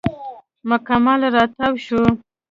مکمل راتاو شو.